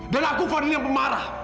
dan aku fadil yang pemarah